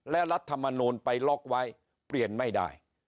และรัฐมนูลไปล็อกไว้เปลี่ยนไม่ได้